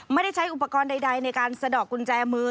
ไม่ได้ใช้อุปกรณ์ใดในการสะดอกกุญแจมือ